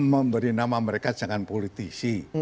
memberi nama mereka jangan politisi